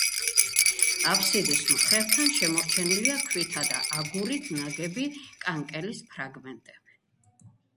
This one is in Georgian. აფსიდის მხრებთან შემორჩენილია ქვითა და აგურით ნაგები კანკელის ფრაგმენტები.